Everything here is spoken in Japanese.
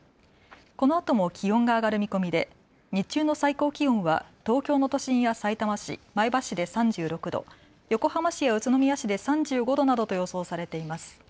このあとも気温が上がる見込みで日中の最高気温は東京の都心やさいたま市、前橋市で３６度、横浜市や宇都宮市で３５度などと予想されています。